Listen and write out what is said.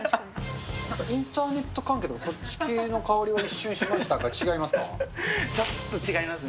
インターネット関係とかそっち系のかおりはちょっとしましたが、ちょっと違いますね。